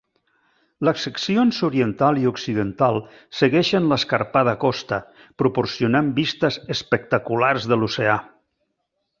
Les seccions oriental i occidental segueixen l'escarpada costa, proporcionant vistes espectaculars de l'oceà.